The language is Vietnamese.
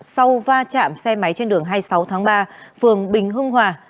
sau va chạm xe máy trên đường hai mươi sáu tháng ba phường bình hưng hòa